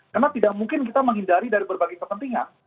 karena tidak mungkin kita menghindari dari berbagai kepentingan